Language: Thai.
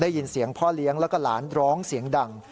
ได้ยินเสียงพ่อเลี้ยงแล้วก็หลานร้องเสียงดัง